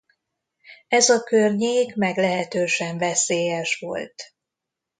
Ez a környék meglehetősen veszélyes volt.